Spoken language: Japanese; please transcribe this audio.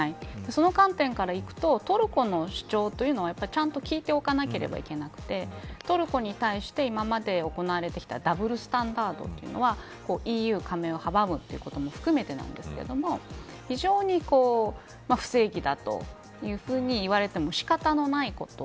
その観点からいくとトルコの主張というのはちゃんと聞いておかなければいけなくてトルコに対して今まで行われてきたダブルスタンダードというのはＥＵ加盟を阻むということも含めてですが非常に不正義だというふうに言われても仕方のないこと。